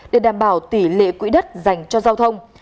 để đảm bảo tỷ lệ quỹ đất dành cho giao thông